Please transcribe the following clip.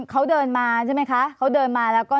เขาเดินมาใช่ไหมคะเขาเดินมาแล้วก็